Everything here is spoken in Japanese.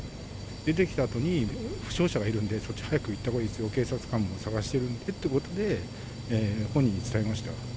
出てきたあとに、負傷者がいるんで、そっちに早く行ったほうがいいですよ、警察官も探しているんでということで、本人に伝えました。